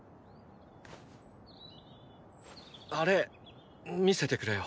あれ見せてくれよ。